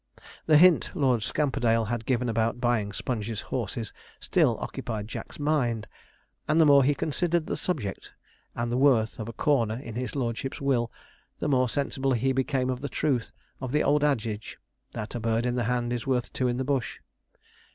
The hint Lord Scamperdale had given about buying Sponge's horses still occupied Jack's mind; and the more he considered the subject, and the worth of a corner in his lordship's will, the more sensible he became of the truth of the old adage, that 'a bird in the hand is worth two in the bush.'